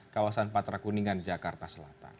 kawasan patra kuningan jakarta selatan